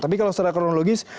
tapi kalau secara kronologis